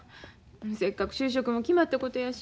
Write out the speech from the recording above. せっかく就職も決まったことやし。